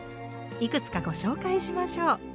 いくつかご紹介しましょう。